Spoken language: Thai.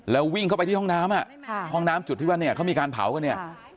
แล้ววิ่งเข้าไปที่ห้องน้ำห้องน้ำจุดที่ว่าเนี่ยเขามีการเผากันเนี่ย